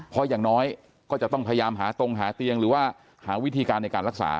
เพราะอย่างน้อยก็จะต้องพยายามหาตรงหาเตียงหรือว่าหาวิธีการในการรักษา